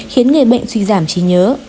khiến người bệnh suy giảm trí nhớ